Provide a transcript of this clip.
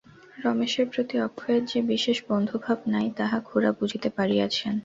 রমেশের প্রতি অক্ষয়ের যে বিশেষ বন্ধুভাব নাই, তাহা খুড়া বুঝিতে পারিয়াছেন।